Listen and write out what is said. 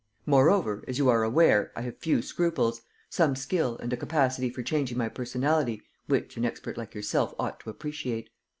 Moreover, as you are aware, I have few scruples, some skill and a capacity for changing my personality which an expert like yourself ought to appreciate.